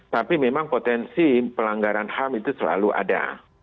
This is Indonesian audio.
tapi memang potensi pelanggaran ham itu selalu ada